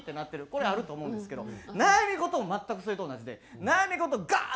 これあると思うんですけど悩み事も全くそれと同じで悩み事ガー！